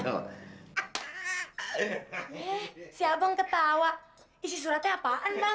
eh si abang ketawa isi suratnya apaan bang